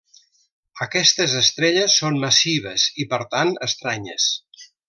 Aquestes estrelles són massives i per tant, estranyes.